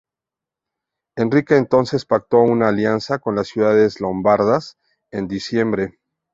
Enrique entonces pactó una alianza con las ciudades lombardas en diciembre.